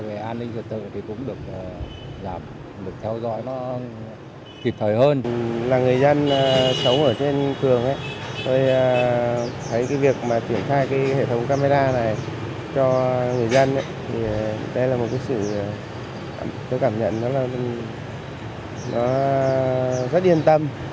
và kiểm soát